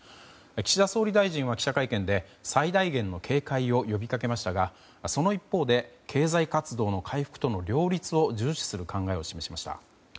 岸田総理大臣は記者会見で最大限の警戒を呼びかけましたがその一方で経済活動の回復との両立を重視する考えを示しました。